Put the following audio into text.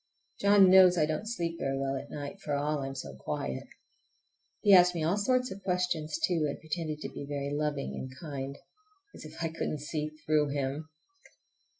John knows I don't sleep very well at night, for all I'm so quiet! He asked me all sorts of questions, too, and pretended to be very loving and kind. As if I couldn't see through him!